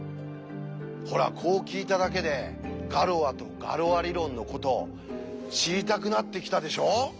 ほらこう聞いただけでガロアとガロア理論のこと知りたくなってきたでしょう？